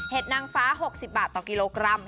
เห็ดนางฟ้า๖๐บาทกิโลกรัม